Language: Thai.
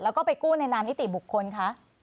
แล้วก็ไปกู้ในนามนิติบุคคลคะ